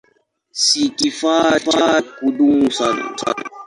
Si kifaa cha kudumu sana.